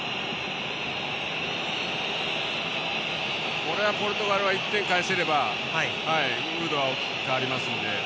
これはポルトガルは１点を返せればムードは大きく変わりますので。